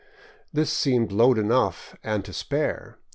This seemed load enough and to spare.